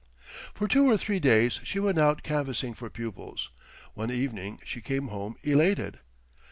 For two or three days she went out canvassing for pupils. One evening she came home elated.